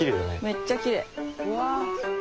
めっちゃきれい。